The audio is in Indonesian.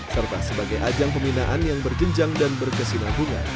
serta sebagai ajang pembinaan yang berjenjang dan berkesinabungan